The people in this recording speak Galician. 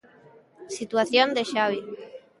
Situación de Xavi.